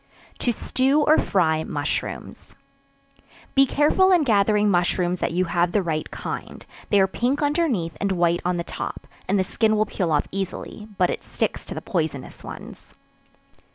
To Stew or Fry Mushrooms. Be careful in gathering mushrooms that you have the right kind; they are pink underneath, and white on the top, and the skin will peel off easily, but it sticks to the poisonous ones.